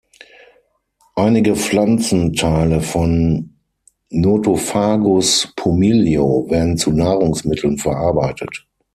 Einige Pflanzenteile von "Nothofagus pumilio" werden zu Nahrungsmitteln verarbeitet.